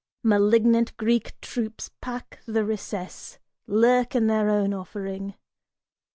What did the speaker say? Malignant Greek troops pack the recess, lurk in their own offering.